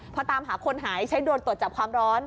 พอตามหาคนหายใช้โดรนตรวจจับความร้อน